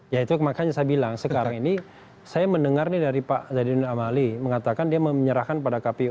ya itu makanya saya bilang sekarang ini saya mendengar nih dari pak zainuddin amali mengatakan dia menyerahkan pada kpu